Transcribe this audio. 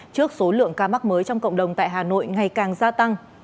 trước số lượng ca mắc mới trong cộng đồng tại hà nội ngày càng gia tăng